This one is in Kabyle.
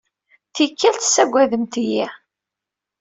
Tikkal, tessaggademt-iyi.